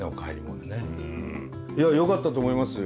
よかったと思いますよ。